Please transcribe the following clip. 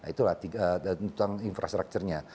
itulah tuntutan infrastrukturnya